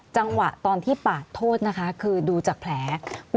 จังหวะตอนที่ปาดโทษนะคะคือดูจากแผล